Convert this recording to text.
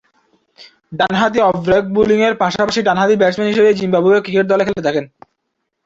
ডানহাতি অফ-ব্রেক বোলিংয়ের পাশাপাশি ডানহাতি ব্যাটসম্যান হিসেবে জিম্বাবুয়ে ক্রিকেট দলে খেলে থাকেন।